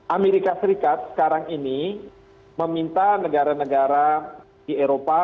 amerika serikat sekarang ini meminta negara negara di eropa